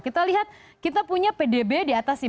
kita lihat kita punya pdb di atas lima